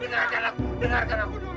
dengarkan aku dengarkan aku dulu